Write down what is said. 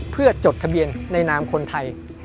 เพื่อจดทะเบียนในนามคนไทย